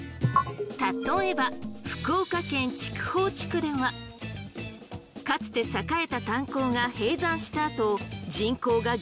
例えば福岡県筑豊地区ではかつて栄えた炭鉱が閉山したあと人口が激減しました。